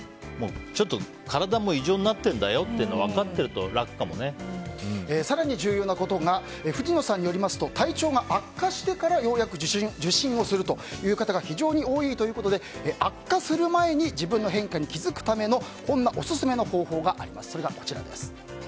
ちょっと、体も異常になってるんだよって分かってると更に重要なことが藤野さんによりますと体調が悪化してからようやく受診するという方が非常に多いということで悪化する前に自分の変化に気づくためのオススメの方法があります。